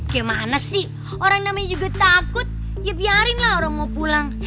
gimana sih orang namanya juga takut ya biarin lah orang mau pulang